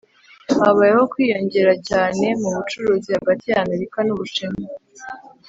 habayeho kwiyongera cyane mu bucuruzi hagati y'amerika n'ubushinwa